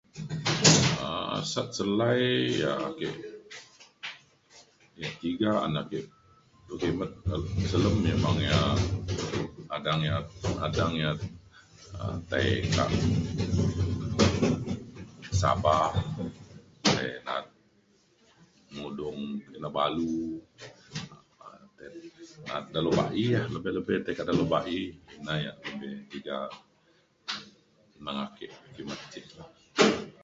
um asat selai ya ti- yak tiga an ake kimet [unintelligible] memang ia’ adang ia’ adang ia’ um tai Sabah tai na’at mudung Kinabalu um telu ba’i la lebih lebih tai kak telu ba’i nai yak di tiga neng ake kimet ke